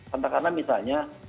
tentang karena misalnya